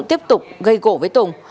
tiếp tục gây gỗ với tùng